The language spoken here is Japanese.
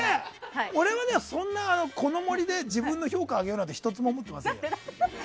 俺はそんなこの「森」で自分の評価を上げようなんて１つも思ってませんよ。